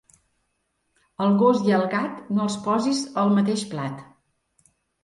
Al gos i al gat, no els posis el mateix plat.